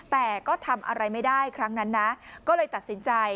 แต่ก็ทำอะไรไม่ได้ครั้งนั้นนะก็เลยตัดสินใจ